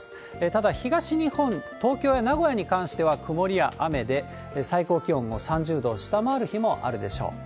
ただ、東日本、東京や名古屋に関しては曇りや雨で、最高気温も３０度を下回る日もあるでしょう。